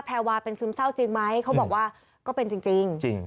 แรวาเป็นซึมเศร้าจริงไหมเขาบอกว่าก็เป็นจริง